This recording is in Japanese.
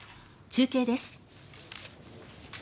中継です。